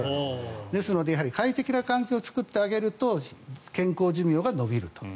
ですので快適な環境を作ってあげると健康寿命が延びると。